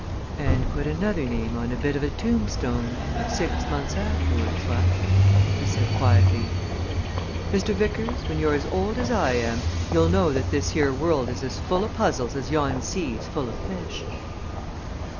"And put another name on a bit of a tombstone six months afterwards, what?" he said quietly. "Mr. Vickers, when you're as old as I am, you'll know that this here world is as full o' puzzles as yon sea's full o'fish!"